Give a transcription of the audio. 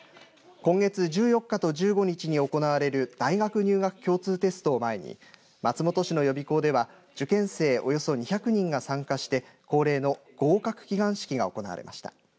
今月１４日と１５日に行われる大学入学共通テストを前に松本市の予備校では受験生およそ２００人が参加して恒例の合格祈願式が行われました。